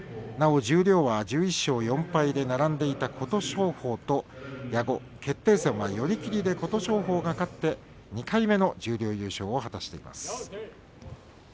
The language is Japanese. なお十両は１１勝４敗で並んでいた琴勝峰と矢後、決定戦は寄り切りで琴勝峰が勝って２回目の十両優勝を果たしています。